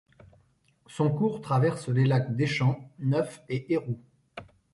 Son cours traverse les lacs Deschamps, Neuf et Héroux.